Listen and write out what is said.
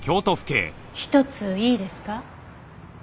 一ついいですか？